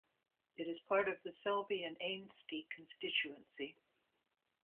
It is part of the Selby and Ainsty constituency.